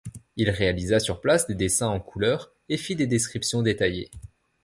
Il réalisa sur place des dessins en couleurs et fit des descriptions détaillées.